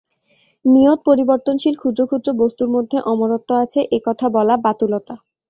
নিয়ত-পরিবর্তনশীল ক্ষুদ্র ক্ষুদ্র বস্তুর মধ্যে অমরত্ব আছে, এ-কথা বলা বাতুলতা।